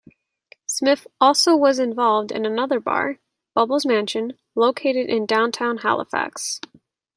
Smith also was involved in another bar, "Bubbles' Mansion", located in Downtown Halifax.